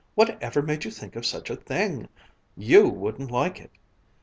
What ever made you think of such a thing? You wouldn't like it!"